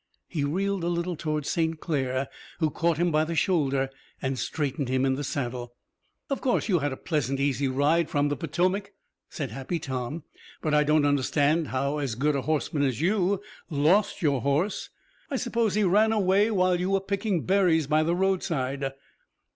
He reeled a little toward St. Clair, who caught him by the shoulder and straightened him in the saddle. "Of course you had a pleasant, easy ride from the Potomac," said Happy Tom, "but I don't understand how as good a horseman as you lost your horse. I suppose he ran away while you were picking berries by the roadside."